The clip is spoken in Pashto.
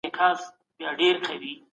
دفاع د انسان حق دی.